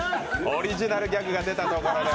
オリジナルギャグが出たところで。